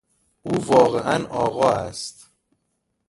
او واقعا آقا است.